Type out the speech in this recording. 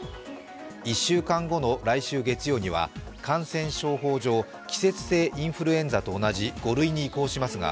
１週間後の来週月曜には感染症法上季節性インフルエンザと同じ５類に移行しますが